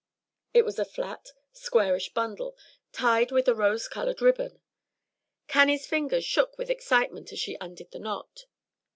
It was a flat squarish bundle, tied with a rose colored ribbon. Cannie's fingers shook with excitement as she undid the knot.